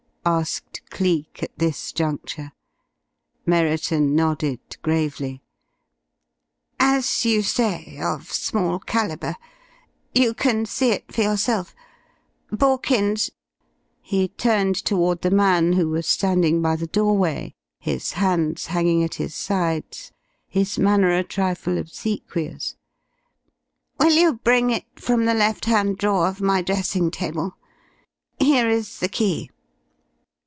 asked Cleek, at this juncture. Merriton nodded gravely. "As you say, of small calibre. You can see it for yourself. Borkins" he turned toward the man, who was standing by the doorway, his hands hanging at his sides, his manner a trifle obsequious; "will you bring it from the left hand drawer of my dressing table. Here is the key."